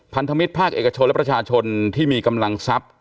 พันธมิตรภาคเอกชนและประชาชนที่มีกำลังทรัพย์